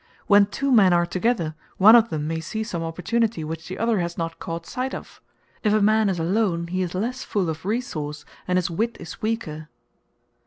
When two men are together, one of them may see some opportunity which the other has not caught sight of; if a man is alone he is less full of resource, and his wit is weaker."